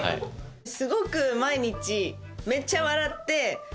すごく毎日めっちゃ笑って。